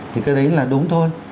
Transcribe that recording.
thì cái đấy là đúng thôi